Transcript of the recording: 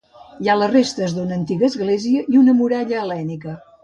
Hi ha les restes d'una antiga església i una muralla hel·lènica.